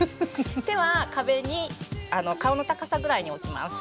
手は壁に顔の高さぐらいに置きます。